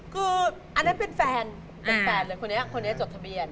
คืออันนั้นเป็นแฟนเป็นแฟนเลยคนนี้คนนี้จดทะเบียน